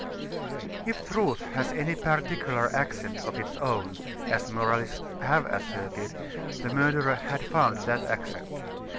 If truth has any particular accent of its own, as moralists have asserted, the murderer had found that accent.